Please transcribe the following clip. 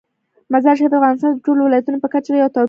مزارشریف د افغانستان د ټولو ولایاتو په کچه یو توپیر لري.